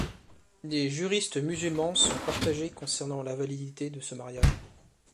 Les juristes musulmans sont partagés concernant la validité de ce mariage.